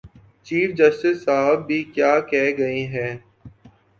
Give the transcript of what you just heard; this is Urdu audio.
چیف جسٹس صاحب بھی کیا کہہ گئے ہیں؟